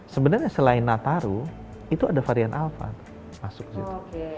sebenarnya selain nataru itu ada varian alpha masuk situ